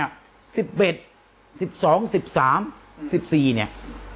วัน๑๑ที่๑๒๑๒๑๓๑๔เนี่ย